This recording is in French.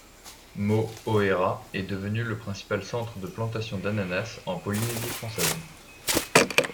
Mo'orea est devenue le principal centre de plantation d'ananas en Polynésie française.